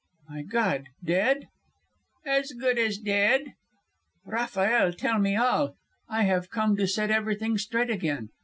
"My God, dead?" "As good as dead." "Rafael, tell me all. I have come to set everything straight again.